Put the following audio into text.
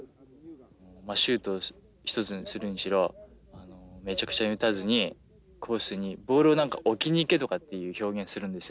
シュート一つするにしろめちゃくちゃに打たずにコースにボールを置きに行けとかっていう表現するんですよ。